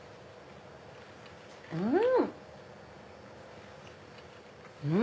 うん！